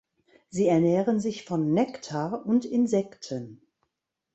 Sie ernähren sich von Nektar und Insekten.